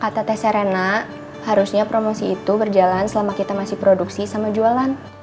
ktt serena harusnya promosi itu berjalan selama kita masih produksi sama jualan